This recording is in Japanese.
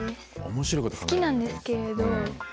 好きなんですけれど。